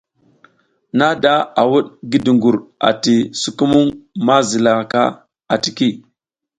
Nada a wuɗ ngi dugur ati sukumuŋ ma zila ka atiki.